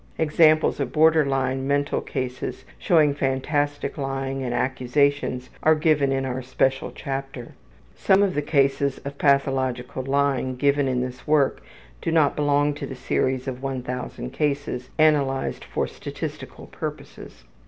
Examples of borderline mental cases showing fantastic lying and accusations are given in our special chapter. Some of the cases of pathological lying given in this work do not belong to the series of 1000 cases analyzed for statistical purposes.